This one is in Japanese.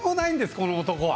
この男は。